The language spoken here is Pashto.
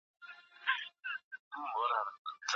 دا غږ نه له بهر څخه و او نه له دننه څخه.